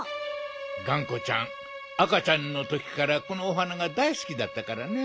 がんこちゃんあかちゃんのときからこのお花がだいすきだったからね。